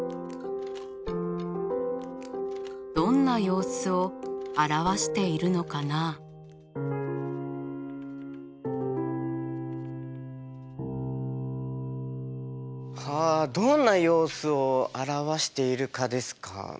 どんな様子を表しているのかな？はどんな様子を表しているかですか？